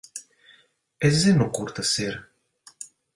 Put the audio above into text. Es zinu, kur tas ir.